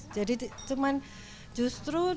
jadi cuman justru